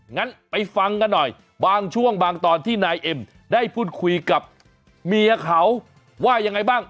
งั้นไปฟังกันหน่อยบางช่วงบางตอนที่นายเอ็มได้พูดคุยกับเมียเขาว่ายังไงบ้าง